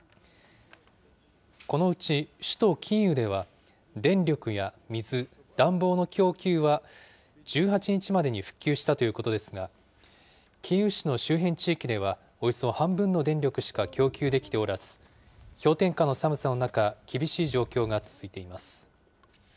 このうち首都キーウでは、電力や水、暖房の供給は１８日までに復旧したということですが、キーウ市の周辺地域ではおよそ半分の電力しか供給できておらず、氷点下の寒さの中、厳しい状況が続いています。